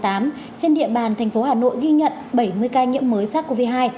trên địa bàn thành phố hà nội ghi nhận bảy mươi ca nhiễm mới sars cov hai